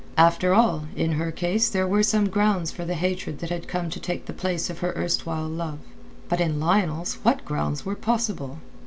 After all, in her case there were some grounds for the hatred that had come to take the place of her erstwhile love. But in Lionel's what grounds were possible?